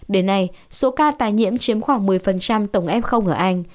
đến nay số ca tái nhiễm chiếm khoảng một mươi tổng f ở anh